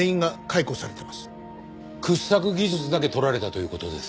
掘削技術だけ取られたという事ですか。